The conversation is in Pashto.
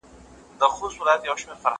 توا غويی و .